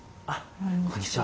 こんにちは